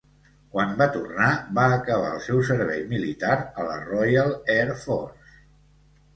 Quan va tornar va acabar el seu servei militar a la Royal Air Force.